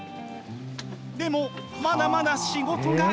でもまだまだ仕事が。